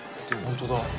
本当だ。